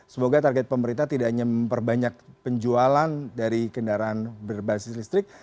semoga target pemerintah tidak hanya memperbanyak penjualan dari kendaraan berbasis listrik